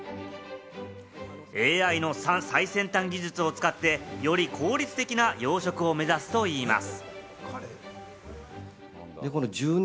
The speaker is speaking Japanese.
ＡＩの最先端技術を使って、より効率的な養殖を目指すといいます。